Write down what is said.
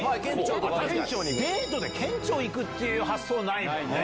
デートで県庁行くって発想ないもんね。